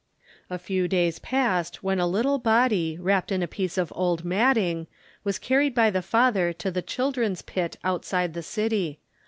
A few days passed when a little body, wrapped in a piece of old matting, was carried by the father to the children's pit outside the city.